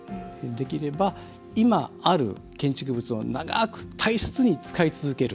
できれば今ある建築物を長く大切に使い続ける。